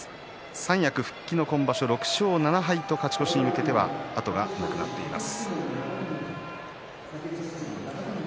三役復帰の今場所６勝７敗と勝ち越しに向けては、後がなくなっています。